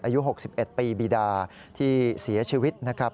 อายุ๖๑ปีบีดาที่เสียชีวิตนะครับ